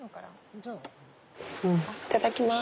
いただきます。